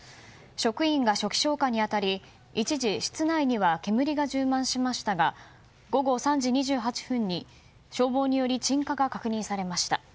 職員が初期消火に当たり一時、室内には煙が充満しましたが午後３時２８分に消防により鎮火が確認されました。